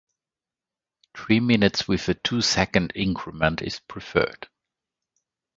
Three minutes with a two-second increment is preferred.